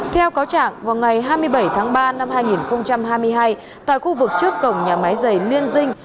theo cáo trạng vào ngày hai mươi bảy tháng ba năm hai nghìn hai mươi hai tại khu vực trước cổng nhà máy dày liên dinh